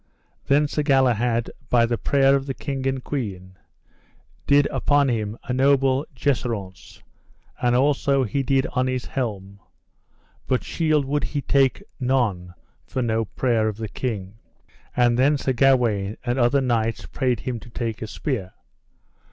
Then Sir Galahad, by the prayer of the king and the queen, did upon him a noble jesseraunce, and also he did on his helm, but shield would he take none for no prayer of the king. And then Sir Gawaine and other knights prayed him to take a spear.